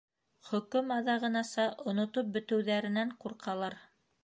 —Хөкөм аҙағынаса онотоп бөтәүҙәренән ҡур- ҡалар.